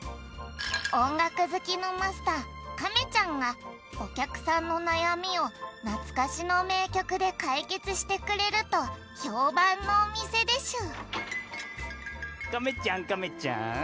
おんがくずきのマスター亀ちゃんがおきゃくさんのなやみをなつかしのめいきょくでかいけつしてくれるとひょうばんのおみせでしゅ・亀ちゃん亀ちゃん。